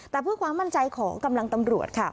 แต่เพื่อความมั่นใจของกำลังตำรวจค่ะ